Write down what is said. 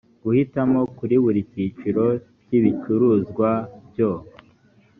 guhitamo kuri buri cyiciro cy ibicuruzwa byo